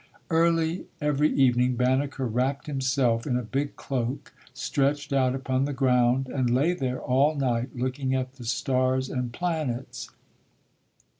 Early every evening Banneker wrapped him self in a big cloak, stretched out upon the ground and lay there all night looking at the stars and planets.